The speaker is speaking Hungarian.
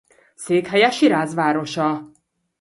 Székhelye Siráz városa.